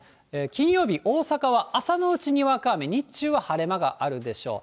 金曜日、大阪は朝のうちにわか雨、日中は晴れ間があるでしょう。